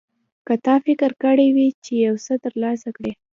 که تا فکر کړی وي چې یو څه ترلاسه کړې.